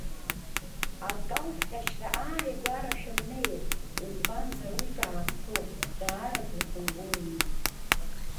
Акалҭҟьашьра ааигәара шәымнеин! Избанзар уи ҿаасҭоуп, даараӡа ихәымгоу мҩуп.